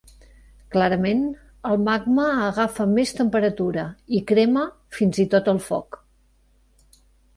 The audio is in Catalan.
Clarament el magma agafa més temperatura i crema fins i tot al foc.